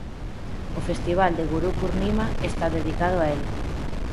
O festival de Guru Purnima está dedicado a el.